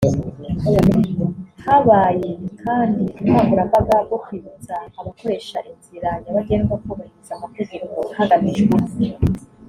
Habaye kandi ubukangurambaga bwo kwibutsa abakoresha inzira nyabagendwa kubahiriza amategeko hagamijwe gukumira impanuka zo mu muhanda